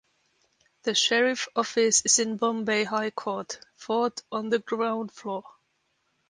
The Sheriff office is in Bombay High Court, Fort on the Ground Floor.